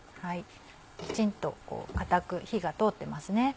きちんと硬く火が通ってますね。